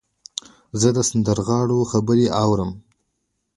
زه د سندرغاړو خبرې اورم.